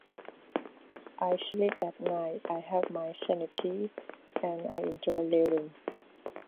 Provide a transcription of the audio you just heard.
I sleep at night, I have my sanity and I enjoy living.